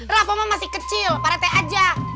rafa mah masih kecil parete aja